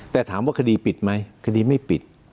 แต่ถามว่าคดีปิดไหมคดีไม่ปิด